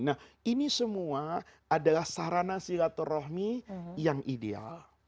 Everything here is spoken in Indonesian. nah ini semua adalah sarana silaturahmi yang ideal